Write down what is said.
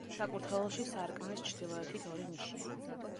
საკურთხეველში სარკმლის ჩრდილოეთით ორი ნიშია.